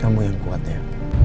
kamu yang kuat nia